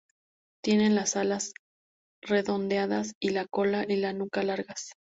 Tienen las alas redondeadas y la cola y la nuca largas.